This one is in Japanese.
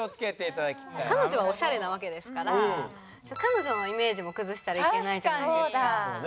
彼女はオシャレなわけですから彼女のイメージも崩したらいけないじゃないですか。